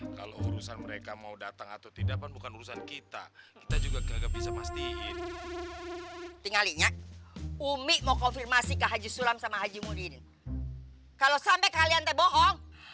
kalau sampai kalian bohong